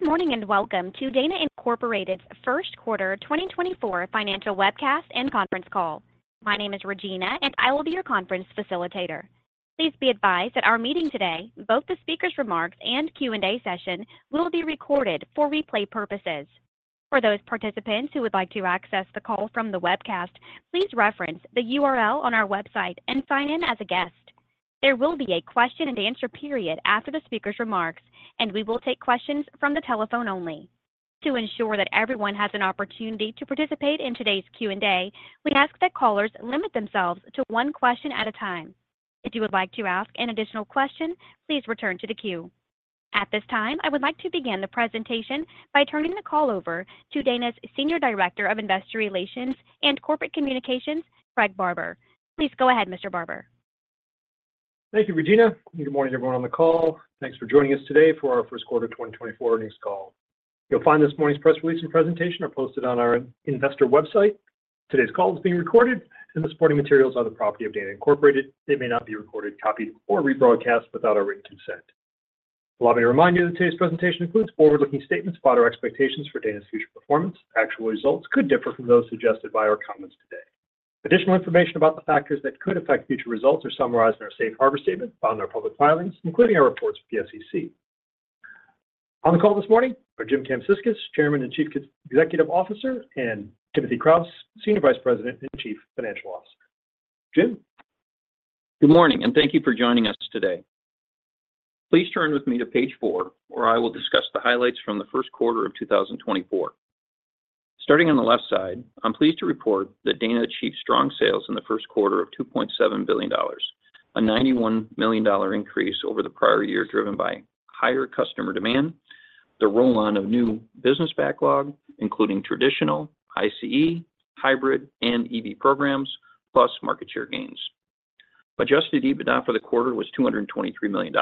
Good morning and welcome to Dana Incorporated's first quarter 2024 financial webcast and conference call. My name is Regina, and I will be your conference facilitator. Please be advised that our meeting today, both the speaker's remarks and Q&A session, will be recorded for replay purposes. For those participants who would like to access the call from the webcast, please reference the URL on our website and sign in as a guest. There will be a question-and-answer period after the speaker's remarks, and we will take questions from the telephone only. To ensure that everyone has an opportunity to participate in today's Q&A, we ask that callers limit themselves to one question at a time. If you would like to ask an additional question, please return to the queue. At this time, I would like to begin the presentation by turning the call over to Dana's Senior Director of Investor Relations and Corporate Communications, Craig Barber. Please go ahead, Mr. Barber. Thank you, Regina. Good morning, everyone on the call. Thanks for joining us today for our first quarter 2024 earnings call. You'll find this morning's press release and presentation are posted on our investor website. Today's call is being recorded, and the supporting materials are the property of Dana Incorporated. They may not be recorded, copied, or rebroadcast without our written consent. Allow me to remind you that today's presentation includes forward-looking statements about our expectations for Dana's future performance. Actual results could differ from those suggested by our comments today. Additional information about the factors that could affect future results is summarized in our Safe Harbor Statement found in our public filings, including our reports with the SEC. On the call this morning are Jim Kamsickas, Chairman and Chief Executive Officer, and Timothy Kraus, Senior Vice President and Chief Financial Officer. Jim? Good morning, and thank you for joining us today. Please turn with me to page four, where I will discuss the highlights from the first quarter of 2024. Starting on the left side, I'm pleased to report that Dana achieved strong sales in the first quarter of $2.7 billion, a $91 million increase over the prior year driven by higher customer demand, the roll-on of new business backlog, including traditional, ICE, hybrid, and EV programs, plus market share gains. Adjusted EBITDA for the quarter was $223 million,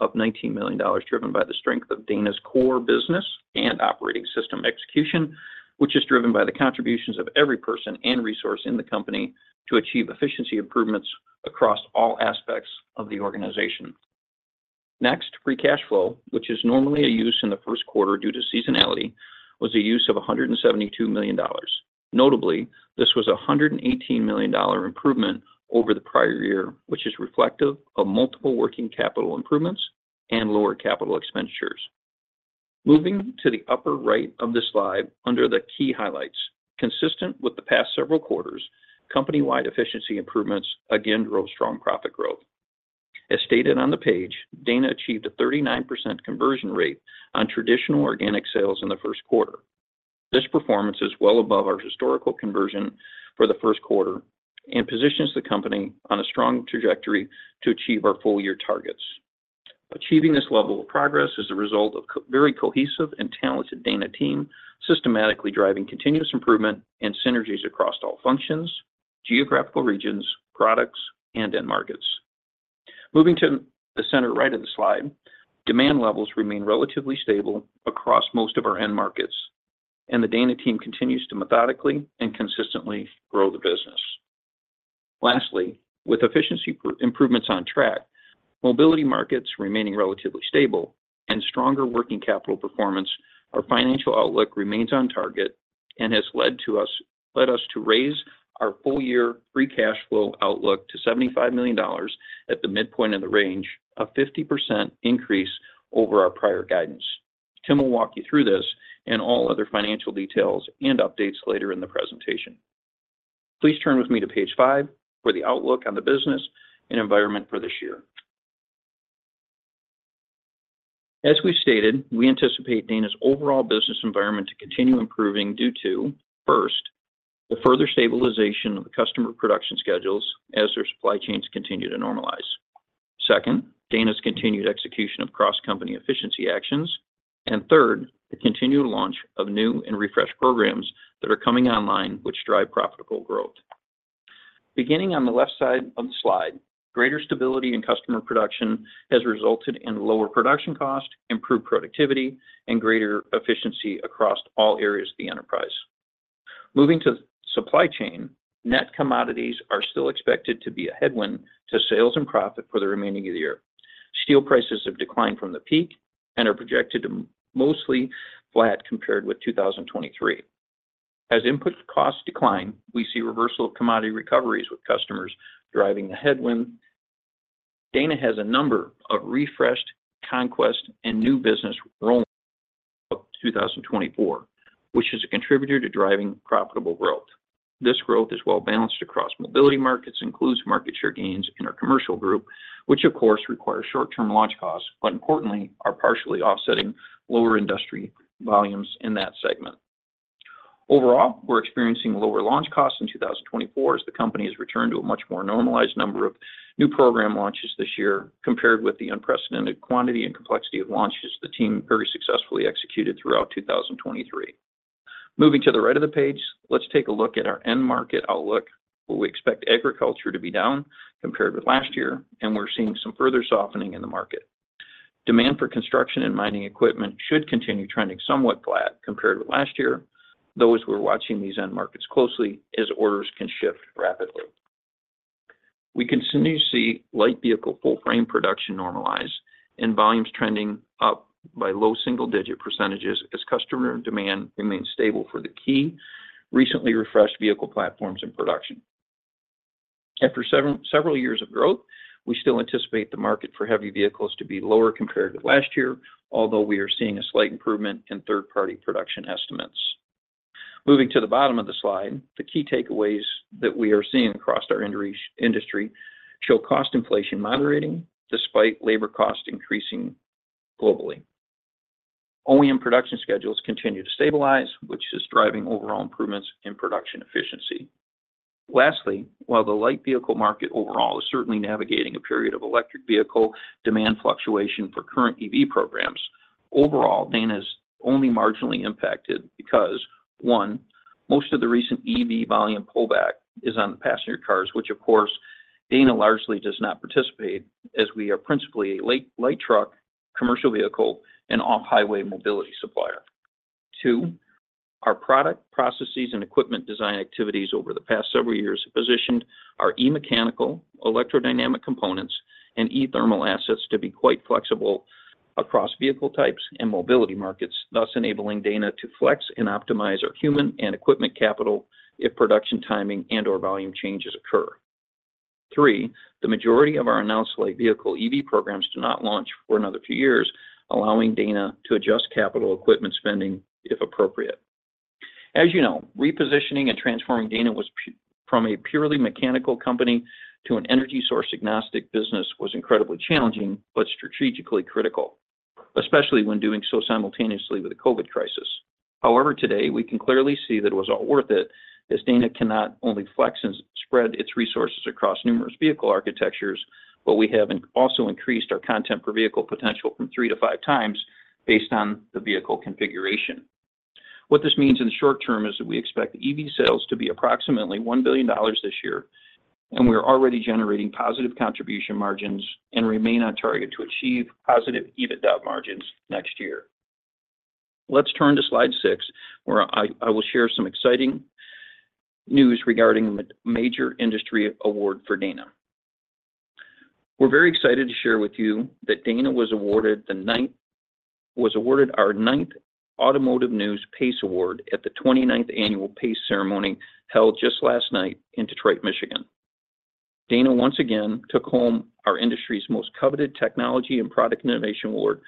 up $19 million driven by the strength of Dana's core business and operating system execution, which is driven by the contributions of every person and resource in the company to achieve efficiency improvements across all aspects of the organization. Next, free cash flow, which is normally a use in the first quarter due to seasonality, was a use of $172 million. Notably, this was a $118 million improvement over the prior year, which is reflective of multiple working capital improvements and lower capital expenditures. Moving to the upper right of the slide under the key highlights, consistent with the past several quarters, company-wide efficiency improvements again drove strong profit growth. As stated on the page, Dana achieved a 39% conversion rate on traditional organic sales in the first quarter. This performance is well above our historical conversion for the first quarter and positions the company on a strong trajectory to achieve our full-year targets. Achieving this level of progress is the result of a very cohesive and talented Dana team systematically driving continuous improvement and synergies across all functions, geographical regions, products, and end markets. Moving to the center right of the slide, demand levels remain relatively stable across most of our end markets, and the Dana team continues to methodically and consistently grow the business. Lastly, with efficiency improvements on track, mobility markets remaining relatively stable, and stronger working capital performance, our financial outlook remains on target and has led us to raise our full-year free cash flow outlook to $75 million at the midpoint of the range, a 50% increase over our prior guidance. Tim will walk you through this and all other financial details and updates later in the presentation. Please turn with me to page five for the outlook on the business and environment for this year. As we've stated, we anticipate Dana's overall business environment to continue improving due to, first, the further stabilization of the customer production schedules as their supply chains continue to normalize. Second, Dana's continued execution of cross-company efficiency actions. And third, the continued launch of new and refreshed programs that are coming online, which drive profitable growth. Beginning on the left side of the slide, greater stability in customer production has resulted in lower production cost, improved productivity, and greater efficiency across all areas of the enterprise. Moving to the supply chain, net commodities are still expected to be a headwind to sales and profit for the remainder of the year. Steel prices have declined from the peak and are projected to mostly flat compared with 2023. As input costs decline, we see reversal of commodity recoveries with customers driving the headwind. Dana has a number of refreshed, conquest, and new business rollouts in 2024, which is a contributor to driving profitable growth. This growth is well-balanced across mobility markets, includes market share gains in our commercial group, which, of course, require short-term launch costs, but importantly, are partially offsetting lower industry volumes in that segment. Overall, we're experiencing lower launch costs in 2024 as the company has returned to a much more normalized number of new program launches this year compared with the unprecedented quantity and complexity of launches the team very successfully executed throughout 2023. Moving to the right of the page, let's take a look at our end market outlook, where we expect agriculture to be down compared with last year, and we're seeing some further softening in the market. Demand for construction and mining equipment should continue trending somewhat flat compared with last year, though as we're watching these end markets closely, as orders can shift rapidly. We continue to see light vehicle full-frame production normalize and volumes trending up by low single-digit percentages as customer demand remains stable for the key recently refreshed vehicle platforms in production. After several years of growth, we still anticipate the market for heavy vehicles to be lower compared with last year, although we are seeing a slight improvement in third-party production estimates. Moving to the bottom of the slide, the key takeaways that we are seeing across our industry show cost inflation moderating despite labor costs increasing globally. OEM production schedules continue to stabilize, which is driving overall improvements in production efficiency. Lastly, while the light vehicle market overall is certainly navigating a period of electric vehicle demand fluctuation for current EV programs, overall, Dana is only marginally impacted because, one, most of the recent EV volume pullback is on the passenger cars, which, of course, Dana largely does not participate as we are principally a light truck, commercial vehicle, and off-highway mobility supplier. Two, our product, processes, and equipment design activities over the past several years have positioned our e-mechanical, electrodynamic components, and e-thermal assets to be quite flexible across vehicle types and mobility markets, thus enabling Dana to flex and optimize our human and equipment capital if production timing and/or volume changes occur. Three, the majority of our announced light vehicle EV programs do not launch for another few years, allowing Dana to adjust capital equipment spending if appropriate. As you know, repositioning and transforming Dana from a purely mechanical company to an energy source agnostic business was incredibly challenging but strategically critical, especially when doing so simultaneously with the COVID crisis. However, today, we can clearly see that it was all worth it as Dana can not only flex and spread its resources across numerous vehicle architectures, but we have also increased our content per vehicle potential from 3x-5x based on the vehicle configuration. What this means in the short term is that we expect EV sales to be approximately $1 billion this year, and we are already generating positive contribution margins and remain on target to achieve positive EBITDA margins next year. Let's turn to slide six, where I will share some exciting news regarding a major industry award for Dana. We're very excited to share with you that Dana was awarded our ninth Automotive News PACE Award at the 29th annual PACE ceremony held just last night in Detroit, Michigan. Dana once again took home our industry's most coveted technology and product innovation award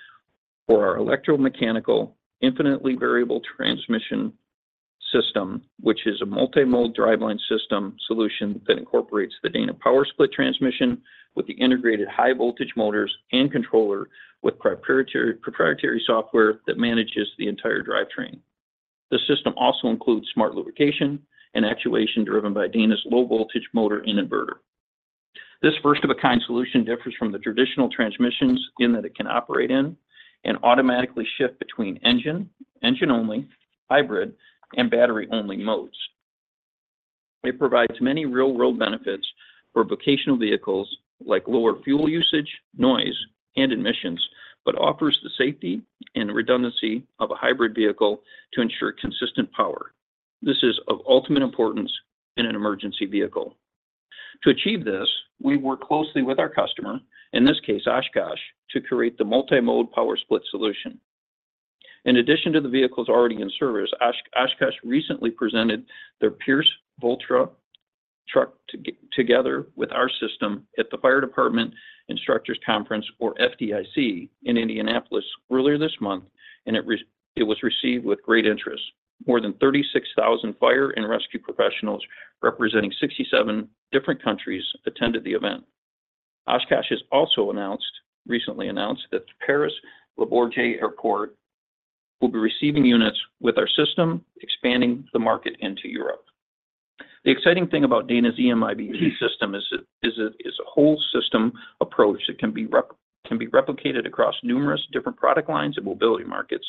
for our electromechanical infinitely variable transmission system, which is a multi-mode driveline system solution that incorporates the Dana power split transmission with the integrated high-voltage motors and controller with proprietary software that manages the entire drivetrain. The system also includes smart lubrication and actuation driven by Dana's low-voltage motor and inverter. This first-of-its-kind solution differs from the traditional transmissions in that it can operate in and automatically shift between engine, engine-only, hybrid, and battery-only modes. It provides many real-world benefits for vocational vehicles like lower fuel usage, noise, and emissions, but offers the safety and redundancy of a hybrid vehicle to ensure consistent power. This is of ultimate importance in an emergency vehicle. To achieve this, we work closely with our customer, in this case, Oshkosh, to create the multi-mode power split solution. In addition to the vehicles already in service, Oshkosh recently presented their Pierce Volterra truck together with our system at the Fire Department Instructors Conference, or FDIC, in Indianapolis earlier this month, and it was received with great interest. More than 36,000 fire and rescue professionals representing 67 different countries attended the event. Oshkosh has also recently announced that Paris-Le Bourget Airport will be receiving units with our system, expanding the market into Europe. The exciting thing about Dana's EMIVT system is it is a whole system approach that can be replicated across numerous different product lines and mobility markets.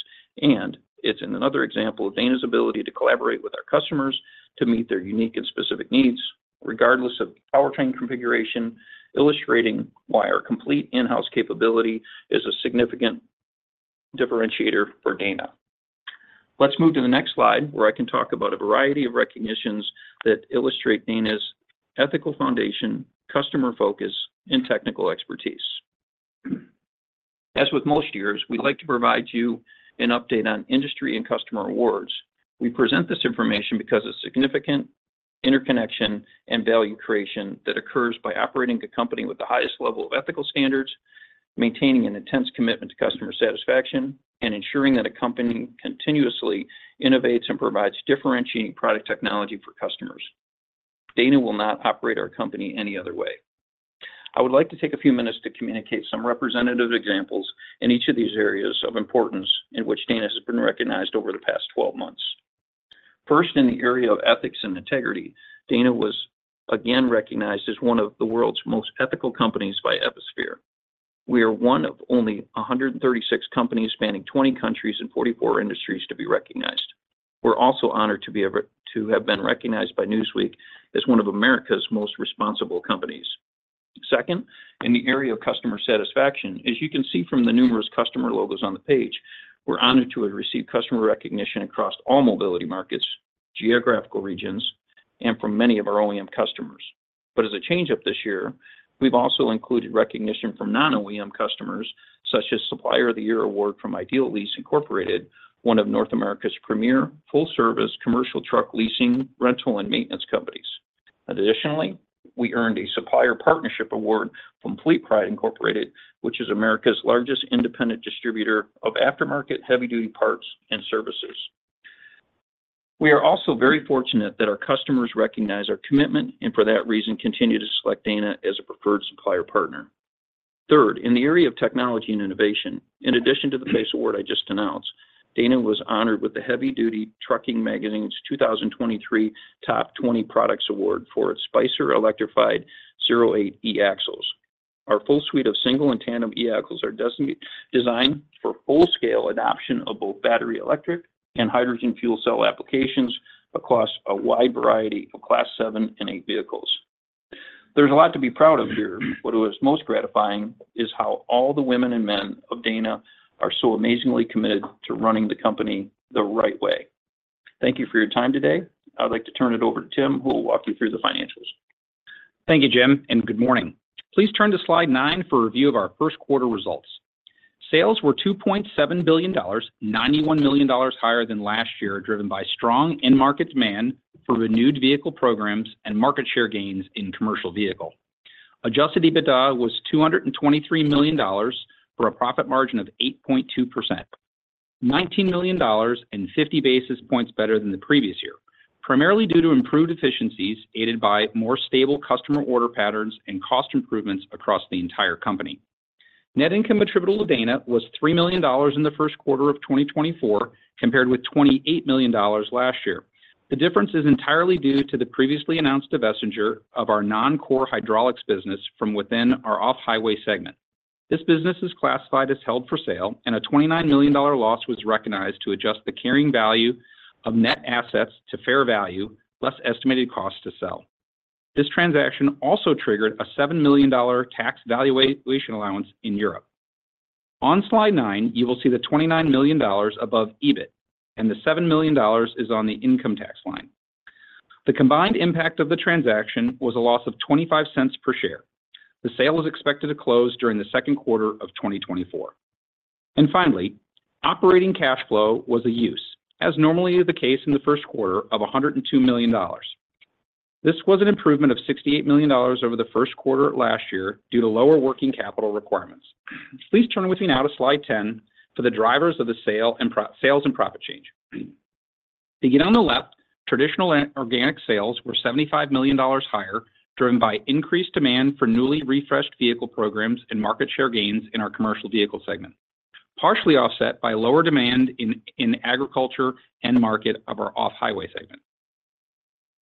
It's another example of Dana's ability to collaborate with our customers to meet their unique and specific needs, regardless of powertrain configuration, illustrating why our complete in-house capability is a significant differentiator for Dana. Let's move to the next slide, where I can talk about a variety of recognitions that illustrate Dana's ethical foundation, customer focus, and technical expertise. As with most years, we'd like to provide you an update on industry and customer awards. We present this information because of significant interconnection and value creation that occurs by operating a company with the highest level of ethical standards, maintaining an intense commitment to customer satisfaction, and ensuring that a company continuously innovates and provides differentiating product technology for customers. Dana will not operate our company any other way. I would like to take a few minutes to communicate some representative examples in each of these areas of importance in which Dana has been recognized over the past 12 months. First, in the area of ethics and integrity, Dana was again recognized as one of the World's Most Ethical Companies by Ethisphere. We are one of only 136 companies spanning 20 countries and 44 industries to be recognized. We're also honored to have been recognized by Newsweek as one of America's Most Responsible Companies. Second, in the area of customer satisfaction, as you can see from the numerous customer logos on the page, we're honored to have received customer recognition across all mobility markets, geographical regions, and from many of our OEM customers. But as a change-up this year, we've also included recognition from non-OEM customers such as Supplier of the Year Award from Idealease, Inc, one of North America's premier full-service commercial truck leasing, rental, and maintenance companies. Additionally, we earned a Supplier Partnership Award from FleetPride, Inc, which is America's largest independent distributor of aftermarket heavy-duty parts and services. We are also very fortunate that our customers recognize our commitment and for that reason continue to select Dana as a preferred supplier partner. Third, in the area of technology and innovation, in addition to the PACE Award I just announced, Dana was honored with the Heavy Duty Trucking Magazine's 2023 Top 20 Products Award for its Spicer Electrified Zero-8 e-Axles. Our full suite of single and tandem e-Axles are designed for full-scale adoption of both battery electric and hydrogen fuel cell applications across a wide variety of Class 7 and Class 8 vehicles. There's a lot to be proud of here. What was most gratifying is how all the women and men of Dana are so amazingly committed to running the company the right way. Thank you for your time today. I'd like to turn it over to Tim, who will walk you through the financials. Thank you, Jim, and good morning. Please turn to slide nine for a review of our first quarter results. Sales were $2.7 billion, $91 million higher than last year, driven by strong end-market demand for renewed vehicle programs and market share gains in commercial vehicle. Adjusted EBITDA was $223 million for a profit margin of 8.2%, $19 million and 50 basis points better than the previous year, primarily due to improved efficiencies aided by more stable customer order patterns and cost improvements across the entire company. Net income attributable to Dana was $3 million in the first quarter of 2024 compared with $28 million last year. The difference is entirely due to the previously announced divestiture of our non-core hydraulics business from within our off-highway segment. This business is classified as held for sale, and a $29 million loss was recognized to adjust the carrying value of net assets to fair value, less estimated cost to sell. This transaction also triggered a $7 million tax valuation allowance in Europe. On slide nine, you will see the $29 million above EBIT, and the $7 million is on the income tax line. The combined impact of the transaction was a loss of $0.25 per share. The sale is expected to close during the second quarter of 2024. Finally, operating cash flow was a use, as normally is the case in the first quarter, of $102 million. This was an improvement of $68 million over the first quarter last year due to lower working capital requirements. Please turn with me now to slide 10 for the drivers of the sales and profit change. To begin on the left, traditional organic sales were $75 million higher, driven by increased demand for newly refreshed vehicle programs end market share gains in our commercial vehicle segment, partially offset by lower demand in agriculture end market of our off-highway segment.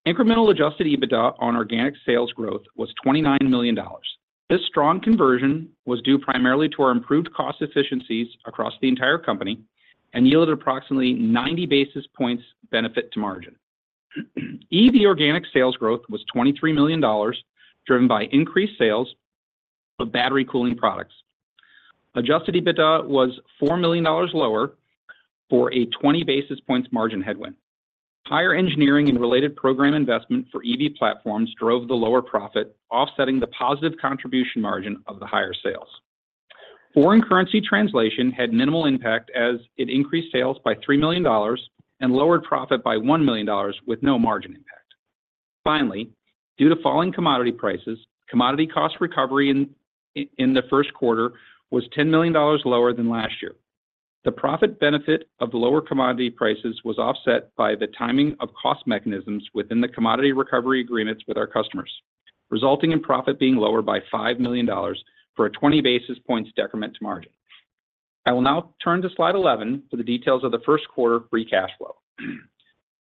Incremental adjusted EBITDA on organic sales growth was $29 million. This strong conversion was due primarily to our improved cost efficiencies across the entire company and yielded approximately 90 basis points benefit to margin. EV organic sales growth was $23 million, driven by increased sales of battery cooling products. Adjusted EBITDA was $4 million lower for a 20 basis points margin headwind. Higher engineering and related program investment for EV platforms drove the lower profit, offsetting the positive contribution margin of the higher sales. Foreign currency translation had minimal impact as it increased sales by $3 million and lowered profit by $1 million with no margin impact. Finally, due to falling commodity prices, commodity cost recovery in the first quarter was $10 million lower than last year. The profit benefit of lower commodity prices was offset by the timing of cost mechanisms within the commodity recovery agreements with our customers, resulting in profit being lower by $5 million for a 20 basis points decrement to margin. I will now turn to slide 11 for the details of the first quarter free cash flow.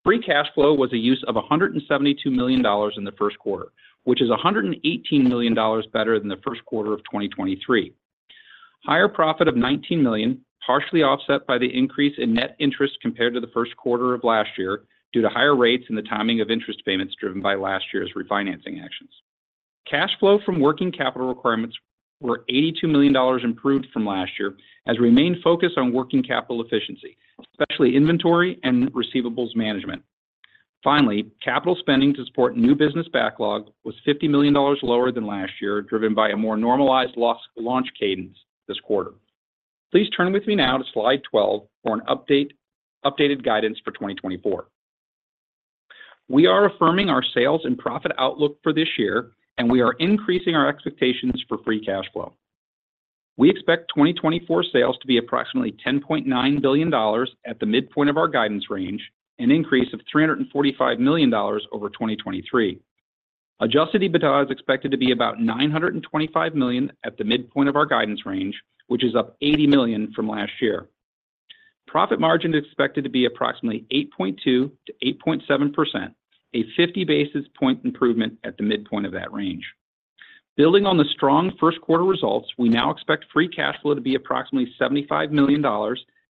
Free cash flow was a use of $172 million in the first quarter, which is $118 million better than the first quarter of 2023. Higher profit of $19 million, partially offset by the increase in net interest compared to the first quarter of last year due to higher rates and the timing of interest payments driven by last year's refinancing actions. Cash flow from working capital requirements was $82 million improved from last year as we remained focused on working capital efficiency, especially inventory and receivables management. Finally, capital spending to support new business backlog was $50 million lower than last year, driven by a more normalized launch cadence this quarter. Please turn with me now to slide 12 for an updated guidance for 2024. We are affirming our sales and profit outlook for this year, and we are increasing our expectations for free cash flow. We expect 2024 sales to be approximately $10.9 billion at the midpoint of our guidance range, an increase of $345 million over 2023. Adjusted EBITDA is expected to be about $925 million at the midpoint of our guidance range, which is up $80 million from last year. Profit margin is expected to be approximately 8.2%-8.7%, a 50 basis point improvement at the midpoint of that range. Building on the strong first quarter results, we now expect free cash flow to be approximately $75 million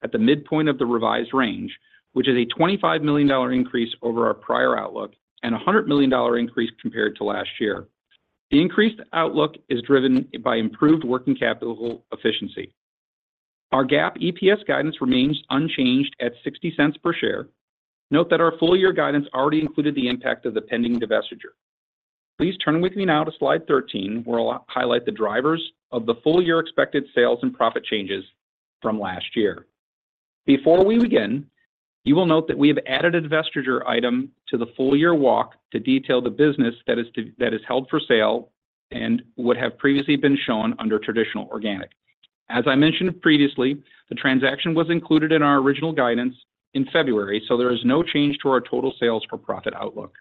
at the midpoint of the revised range, which is a $25 million increase over our prior outlook and a $100 million increase compared to last year. The increased outlook is driven by improved working capital efficiency. Our GAAP EPS guidance remains unchanged at $0.60 per share. Note that our full-year guidance already included the impact of the pending divestiture. Please turn with me now to slide 13, where I'll highlight the drivers of the full-year expected sales and profit changes from last year. Before we begin, you will note that we have added a divestiture item to the full-year walk to detail the business that is held for sale and would have previously been shown under traditional organic. As I mentioned previously, the transaction was included in our original guidance in February, so there is no change to our total sales for profit outlook.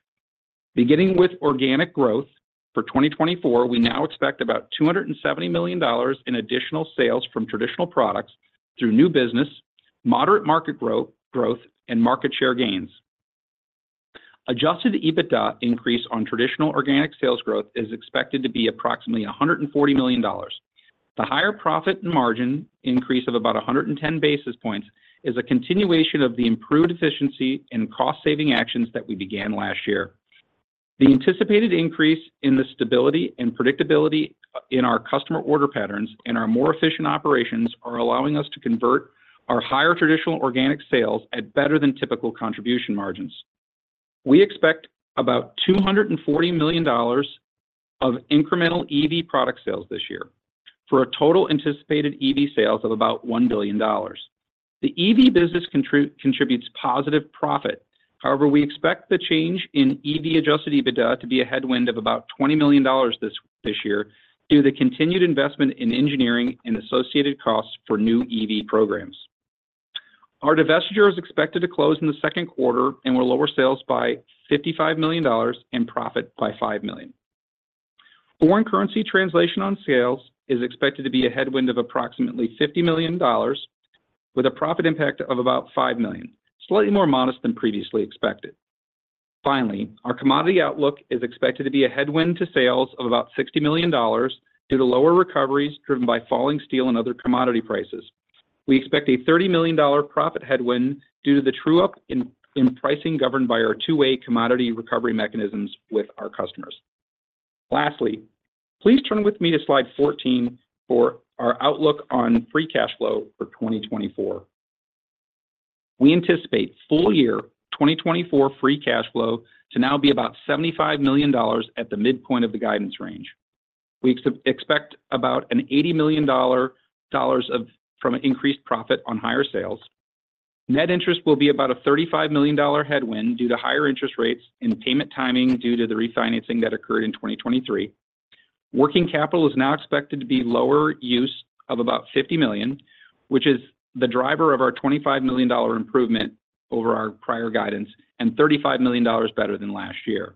Beginning with organic growth for 2024, we now expect about $270 million in additional sales from traditional products through new business, moderate market growth, and market share gains. Adjusted EBITDA increase on traditional organic sales growth is expected to be approximately $140 million. The higher profit and margin increase of about 110 basis points is a continuation of the improved efficiency and cost-saving actions that we began last year. The anticipated increase in the stability and predictability in our customer order patterns and our more efficient operations are allowing us to convert our higher traditional organic sales at better than typical contribution margins. We expect about $240 million of incremental EV product sales this year for a total anticipated EV sales of about $1 billion. The EV business contributes positive profit. However, we expect the change in EV adjusted EBITDA to be a headwind of about $20 million this year due to the continued investment in engineering and associated costs for new EV programs. Our divestiture is expected to close in the second quarter and will lower sales by $55 million and profit by $5 million. Foreign currency translation on sales is expected to be a headwind of approximately $50 million with a profit impact of about $5 million, slightly more modest than previously expected. Finally, our commodity outlook is expected to be a headwind to sales of about $60 million due to lower recoveries driven by falling steel and other commodity prices. We expect a $30 million profit headwind due to the true-up in pricing governed by our two-way commodity recovery mechanisms with our customers. Lastly, please turn with me to slide 14 for our outlook on free cash flow for 2024. We anticipate full-year 2024 free cash flow to now be about $75 million at the midpoint of the guidance range. We expect about an $80 million from an increased profit on higher sales. Net interest will be about a $35 million headwind due to higher interest rates and payment timing due to the refinancing that occurred in 2023. Working capital is now expected to be lower use of about $50 million, which is the driver of our $25 million improvement over our prior guidance and $35 million better than last year.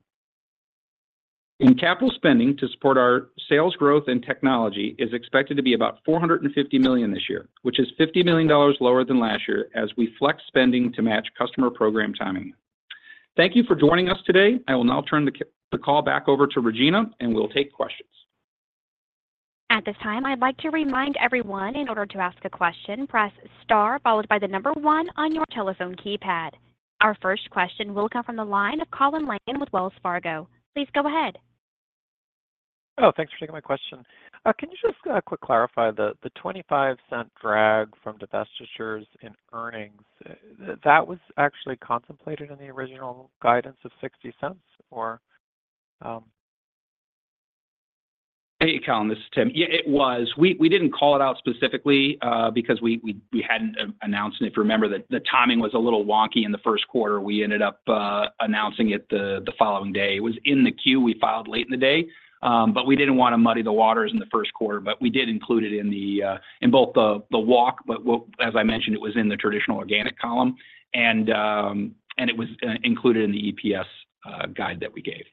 And capital spending to support our sales growth and technology is expected to be about $450 million this year, which is $50 million lower than last year as we flex spending to match customer program timing. Thank you for joining us today. I will now turn the call back over to Regina, and we'll take questions. At this time, I'd like to remind everyone, in order to ask a question, press star followed by the number one on your telephone keypad. Our first question will come from the line of Colin Langan with Wells Fargo. Please go ahead. Oh, thanks for taking my question. Can you just quick clarify the $0.25 drag from divestitures in earnings? That was actually contemplated in the original guidance of $0.60, or? Hey, Colin. This is Tim. Yeah, it was. We didn't call it out specifically because we hadn't announced it. If you remember, the timing was a little wonky in the first quarter. We ended up announcing it the following day. It was in the queue. We filed late in the day, but we didn't want to muddy the waters in the first quarter. But we did include it in both the walk, but as I mentioned, it was in the traditional organic column, and it was included in the EPS guide that we gave.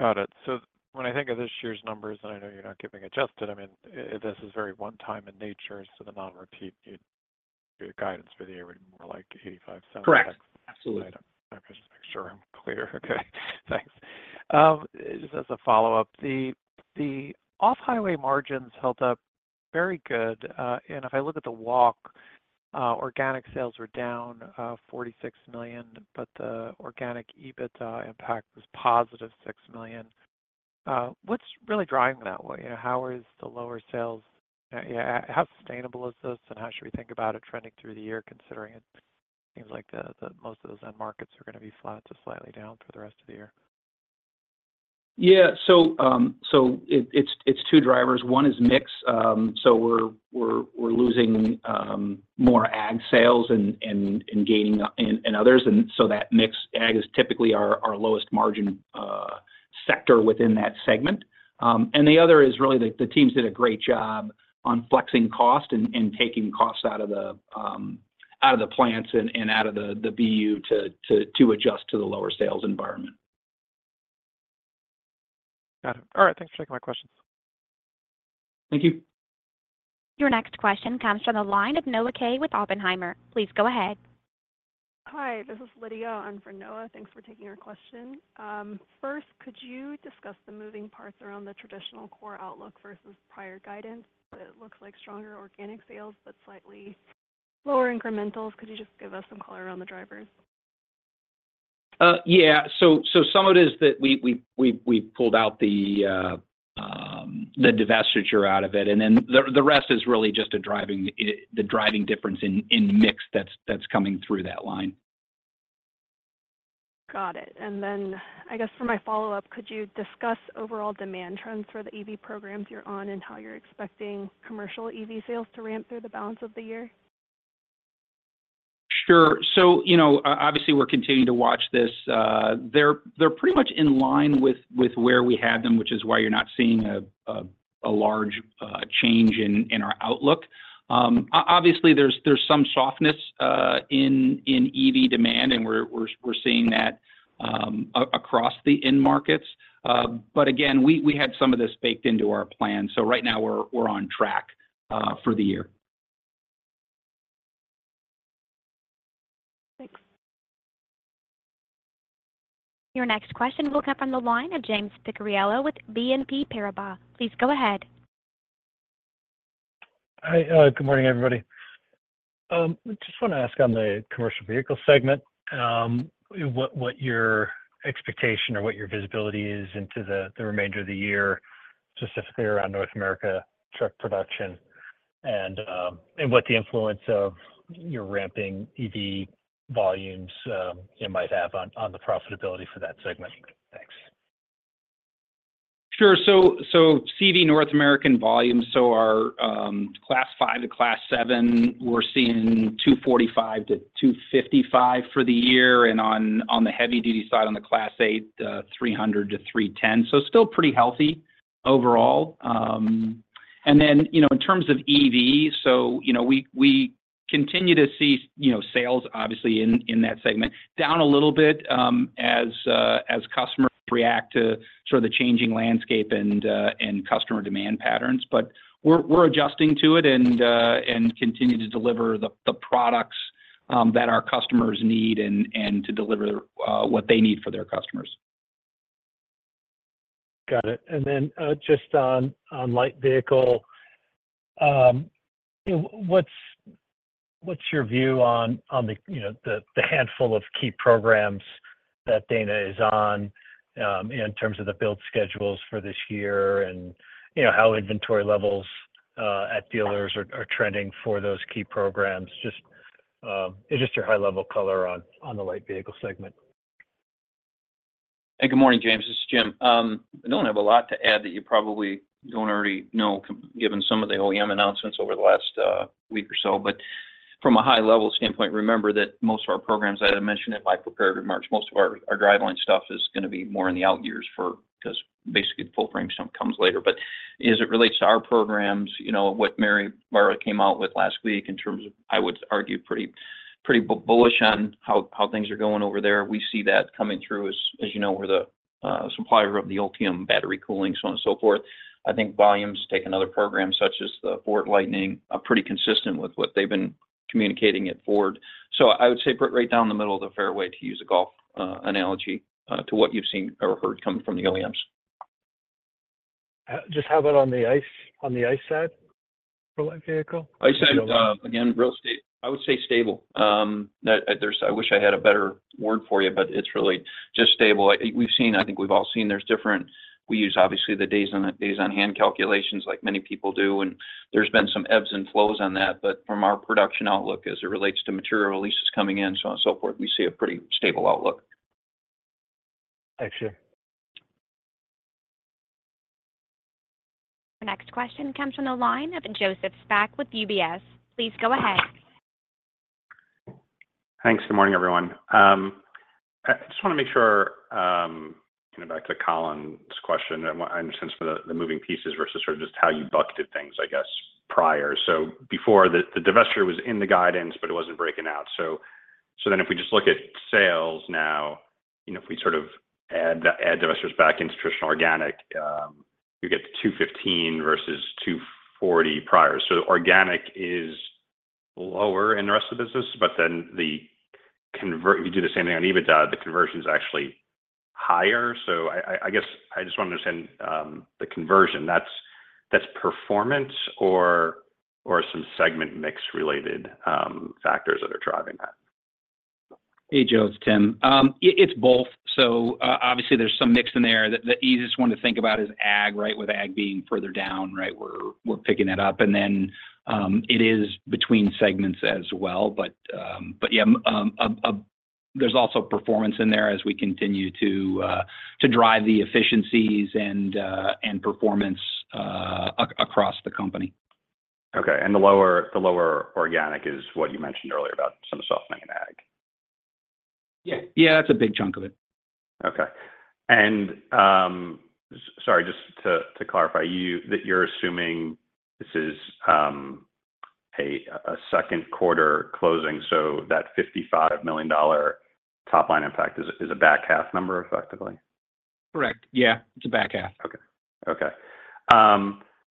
Got it. So when I think of this year's numbers, and I know you're not giving adjusted, I mean, this is very one-time in nature, so the non-repeat guidance for the year would be more like $0.85. Correct. Absolutely. Okay. Just making sure I'm clear. Okay. Thanks. Just as a follow-up, the off-highway margins held up very good. If I look at the walk, organic sales were down $46 million, but the organic EBITDA impact was +$6 million. What's really driving that? How is the lower sales? How sustainable is this, and how should we think about it trending through the year considering it seems like most of those end markets are going to be flat to slightly down for the rest of the year? Yeah. So it's two drivers. One is mix. So we're losing more ag sales and gaining in others. And so that mix ag is typically our lowest margin sector within that segment. And the other is really the teams did a great job on flexing cost and taking costs out of the plants and out of the BU to adjust to the lower sales environment. Got it. All right. Thanks for taking my questions. Thank you. Your next question comes from the line of Noah Kaye with Oppenheimer. Please go ahead. Hi. This is Lydia on from Noah. Thanks for taking our question. First, could you discuss the moving parts around the traditional core outlook versus prior guidance? It looks like stronger organic sales but slightly lower incrementals. Could you just give us some color around the drivers? Yeah. So some of it is that we pulled out the divestiture out of it. Then the rest is really just the driving difference in mix that's coming through that line. Got it. And then I guess for my follow-up, could you discuss overall demand trends for the EV programs you're on and how you're expecting commercial EV sales to ramp through the balance of the year? Sure. So obviously, we're continuing to watch this. They're pretty much in line with where we had them, which is why you're not seeing a large change in our outlook. Obviously, there's some softness in EV demand, and we're seeing that across the end markets. But again, we had some of this baked into our plan. So right now, we're on track for the year. Thanks. Your next question will come from the line of James Picariello with BNP Paribas. Please go ahead. Hi. Good morning, everybody. I just want to ask on the commercial vehicle segment what your expectation or what your visibility is into the remainder of the year, specifically around North America truck production, and what the influence of your ramping EV volumes might have on the profitability for that segment. Thanks. Sure. So CV North American volumes, so our Class 5 to Class 7, we're seeing 245-255 for the year. And on the heavy-duty side on the Class 8, 300-310. So still pretty healthy overall. And then in terms of EV, so we continue to see sales, obviously, in that segment down a little bit as customers react to sort of the changing landscape and customer demand patterns. But we're adjusting to it and continue to deliver the products that our customers need and to deliver what they need for their customers. Got it. And then just on light vehicle, what's your view on the handful of key programs that Dana is on in terms of the build schedules for this year and how inventory levels at dealers are trending for those key programs? Just your high-level color on the light vehicle segment. Hey, good morning, James. This is Jim. I don't have a lot to add that you probably don't already know given some of the OEM announcements over the last week or so. But from a high-level standpoint, remember that most of our programs I had mentioned in my prepared remarks, most of our driveline stuff is going to be more in the out years because basically, the full frame stuff comes later. But as it relates to our programs, what Mary Barra came out with last week in terms of I would argue pretty bullish on how things are going over there, we see that coming through. As you know, we're the supplier of the Ultium battery cooling, so on and so forth. I think volume's taken other programs such as the Ford Lightning pretty consistent with what they've been communicating at Ford. I would say, put right down the middle of the fairway, to use a golf analogy, to what you've seen or heard coming from the OEMs. Just how about on the ICE side for light vehicle? ICE side, again, real estate, I would say stable. I wish I had a better word for you, but it's really just stable. I think we've all seen there's different we use, obviously, the days-on-hand calculations like many people do. And there's been some ebbs and flows on that. But from our production outlook, as it relates to material releases coming in, so on and so forth, we see a pretty stable outlook. Thanks, Jim. Our next question comes from the line of Joseph Spak with UBS. Please go ahead. Thanks. Good morning, everyone. I just want to make sure back to Colin's question. I understand some of the moving pieces versus sort of just how you bucketed things, I guess, prior. So before, the divestiture was in the guidance, but it wasn't breaking out. So then if we just look at sales now, if we sort of add divestitures back into traditional organic, you get $215 million versus $240 million prior. So organic is lower in the rest of the business. But then if you do the same thing on EBITDA, the conversion's actually higher. So I guess I just want to understand the conversion. That's performance or some segment mix-related factors that are driving that? Hey, Joseph, Tim. It's both. So obviously, there's some mix in there. The easiest one to think about is ag, right, with ag being further down, right, where we're picking that up. And then it is between segments as well. But yeah, there's also performance in there as we continue to drive the efficiencies and performance across the company. Okay. And the lower organic is what you mentioned earlier about some soft money in ag? Yeah. Yeah, that's a big chunk of it. Okay. And sorry, just to clarify, you're assuming this is a second quarter closing. So that $55 million top-line impact is a back half number, effectively? Correct. Yeah, it's a back half. Okay. Okay.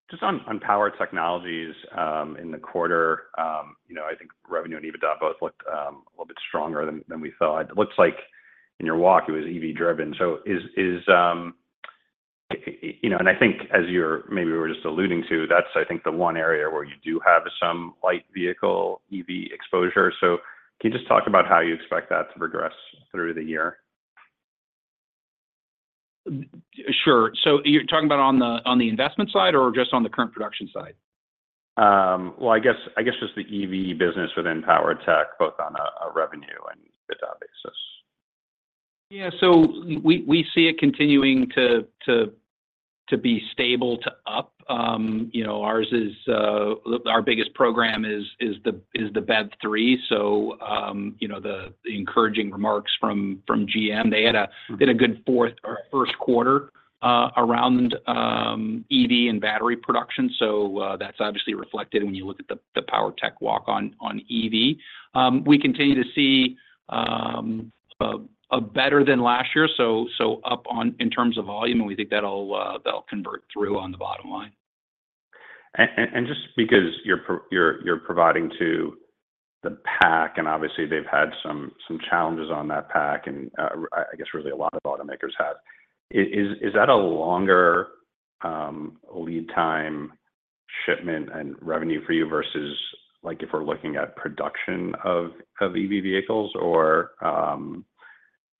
Just on Power Technologies in the quarter, I think revenue and EBITDA both looked a little bit stronger than we thought. It looks like in your walk, it was EV-driven. And I think as you're maybe we were just alluding to, that's, I think, the one area where you do have some light vehicle EV exposure. So can you just talk about how you expect that to progress through the year? Sure. So you're talking about on the investment side or just on the current production side? Well, I guess just the EV business within Power Tech, both on a revenue and EBITDA basis. Yeah. So we see it continuing to be stable to up. Our biggest program is the BEV3. So the encouraging remarks from GM, they did a good first quarter around EV and battery production. So that's obviously reflected when you look at the Power Tech walk on EV. We continue to see a better than last year, so up in terms of volume. And we think that'll convert through on the bottom line. Just because you're providing to the pack, and obviously, they've had some challenges on that pack, and I guess really a lot of automakers have, is that a longer lead time shipment and revenue for you versus if we're looking at production of EV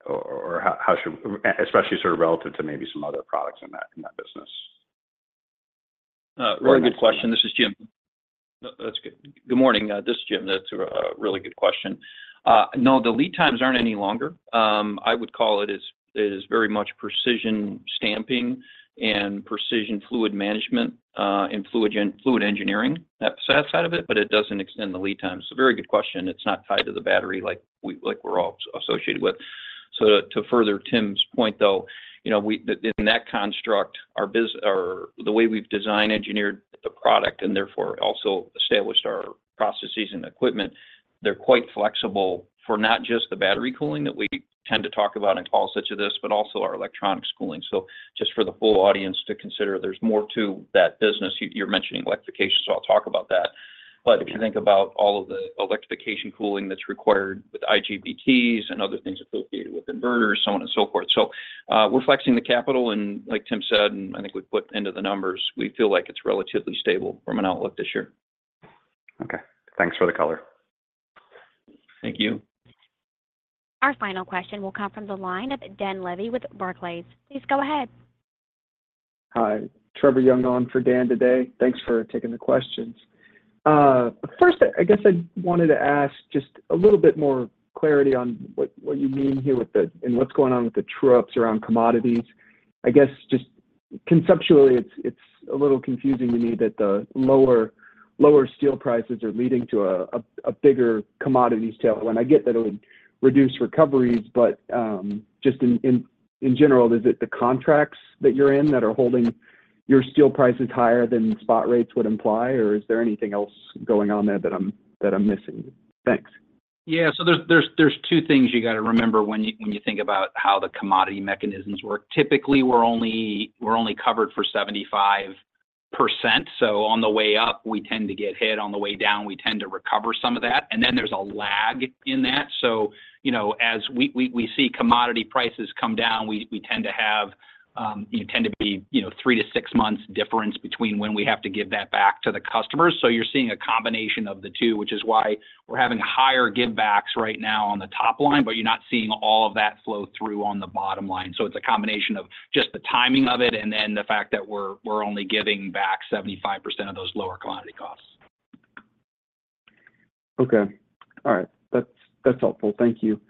vehicles, or how should especially sort of relative to maybe some other products in that business? Good morning. This is Jim. That's a really good question. No, the lead times aren't any longer. I would call it is very much precision stamping and precision fluid management and fluid engineering side of it, but it doesn't extend the lead times. It's a very good question. It's not tied to the battery like we're all associated with. So to further Tim's point, though, in that construct, the way we've designed, engineered the product, and therefore also established our processes and equipment, they're quite flexible for not just the battery cooling that we tend to talk about in calls such as this, but also our electronics cooling. So just for the full audience to consider, there's more to that business. You're mentioning electrification, so I'll talk about that. But if you think about all of the electrification cooling that's required with IGBTs and other things associated with inverters, so on and so forth. So we're flexing the capital. And like Tim said, and I think we put into the numbers, we feel like it's relatively stable from an outlook this year. Okay. Thanks for the color. Thank you. Our final question will come from the line of Dan Levy with Barclays. Please go ahead. Hi. Trevor Young on for Dan today. Thanks for taking the questions. First, I guess I wanted to ask just a little bit more clarity on what you mean here and what's going on with the trucks around commodities. I guess just conceptually, it's a little confusing to me that the lower steel prices are leading to a bigger commodities tail. And I get that it would reduce recoveries. But just in general, is it the contracts that you're in that are holding your steel prices higher than spot rates would imply, or is there anything else going on there that I'm missing? Thanks. Yeah. So there are 2 things you got to remember when you think about how the commodity mechanisms work. Typically, we're only covered for 75%. So on the way up, we tend to get hit. On the way down, we tend to recover some of that. And then there's a lag in that. So as we see commodity prices come down, we tend to have a three or six month difference between when we have to give that back to the customers. So you're seeing a combination of the two, which is why we're having higher give-backs right now on the top line, but you're not seeing all of that flow through on the bottom line. So it's a combination of just the timing of it and then the fact that we're only giving back 75% of those lower commodity costs. Okay. All right. That's helpful. Thank you.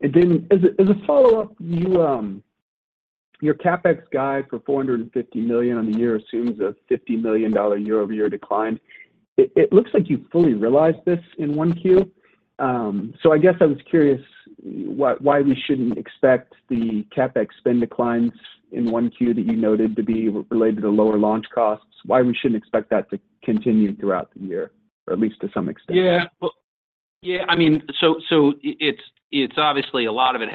And then as a follow-up, your CapEx guide for $450 million on the year assumes a $50 million year-over-year decline. It looks like you fully realized this in 1Q. So I guess I was curious why we shouldn't expect the CapEx spend declines in 1Q that you noted to be related to lower launch costs, why we shouldn't expect that to continue throughout the year, or at least to some extent. Yeah. Yeah. I mean, so it's obviously a lot of it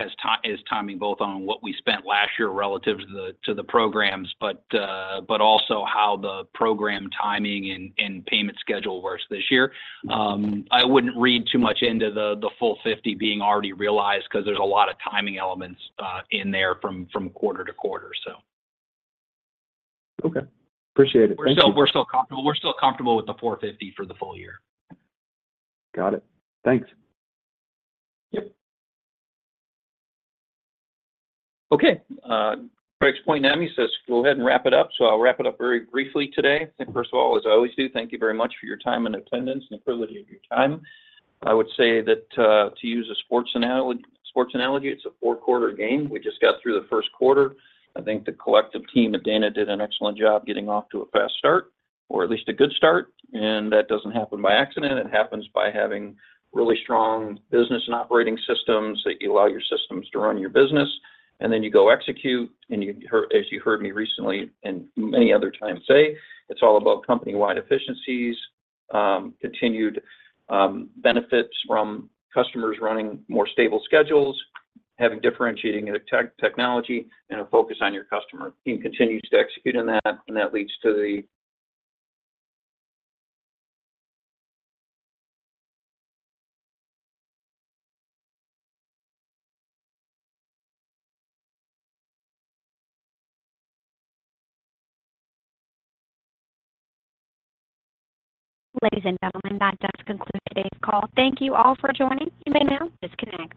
is timing both on what we spent last year relative to the programs, but also how the program timing and payment schedule works this year. I wouldn't read too much into the full $50 being already realized because there's a lot of timing elements in there from quarter to quarter, so. Okay. Appreciate it. Thank you. We're still comfortable. We're still comfortable with the $450 for the full year. Got it. Thanks. Yep. Okay. Craig's pointing at me, he says, "Go ahead and wrap it up." So I'll wrap it up very briefly today. First of all, as I always do, thank you very much for your time and attendance and the privilege of your time. I would say that to use a sports analogy, it's a four-quarter game. We just got through the first quarter. I think the collective team at Dana did an excellent job getting off to a fast start, or at least a good start. And that doesn't happen by accident. It happens by having really strong business and operating systems that allow your systems to run your business. And then you go execute. And as you heard me recently and many other times say, it's all about company-wide efficiencies, continued benefits from customers running more stable schedules, having differentiating technology, and a focus on your customer. Team continues to execute in that, and that leads to the. Ladies and gentlemen, that does conclude today's call. Thank you all for joining. You may now disconnect.